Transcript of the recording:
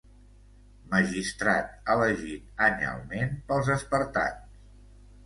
Magistrat elegit anyalment pels espartans.